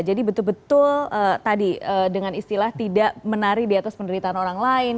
jadi betul betul tadi dengan istilah tidak menari di atas penderitaan orang lain